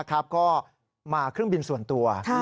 ก็มาเครื่องบินส่วนตัว